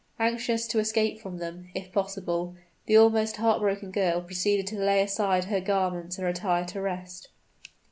Anxious to escape from them, if possible, the almost heartbroken girl proceeded to lay aside her garments and retire to rest.